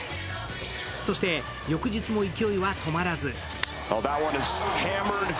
そして、翌日も勢いは止まらず。